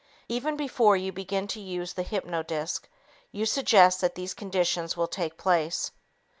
Even before you begin to use the hypnodisc, you suggest that these conditions will take place.